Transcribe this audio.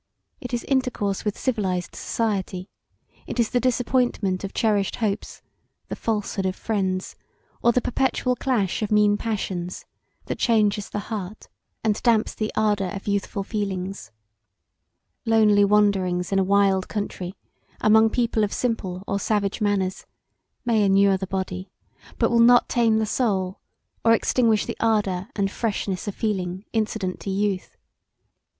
It is intercourse with civilized society; it is the disappointment of cherished hopes, the falsehood of friends, or the perpetual clash of mean passions that changes the heart and damps the ardour of youthful feelings; lonly wanderings in a wild country among people of simple or savage manners may inure the body but will not tame the soul, or extinguish the ardour and freshness of feeling incident to youth.